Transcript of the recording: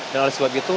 dan oleh sebab itu